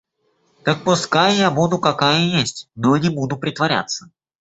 Так пускай я буду какая есть, но не буду притворяться.